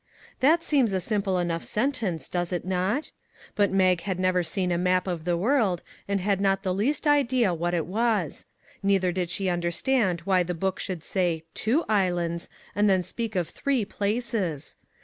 That seems a simple enough sentence, does it not? But Mag had never seen a map of the world, and had not the least idea what it was. Neither did she understand why the book should say, " two islands," and then speak of three places.